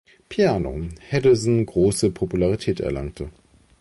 Piano“ Henderson große Popularität erlangte.